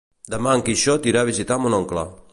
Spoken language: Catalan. Demà en Quixot irà a visitar mon oncle.